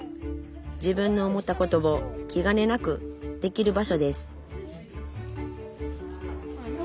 自分の思ったことをきがねなくできる場所です